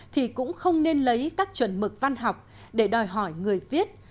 thì cũng không nên lấy các chuẩn mực văn học để đòi hỏi người viết